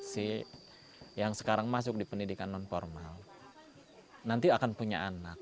si yang sekarang masuk di pendidikan non formal nanti akan punya anak